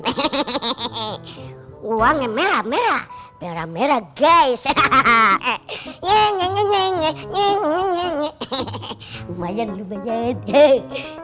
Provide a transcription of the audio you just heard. hehehe uangnya merah merah merah merah guys hahaha nyanyi nyanyi nyanyi nyanyi nyanyi nyanyi